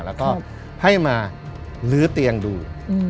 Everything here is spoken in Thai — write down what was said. แล้วก็ให้มาลื้อเตียงดู